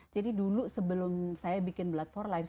jadi dulu sebelum saya bikin blood for life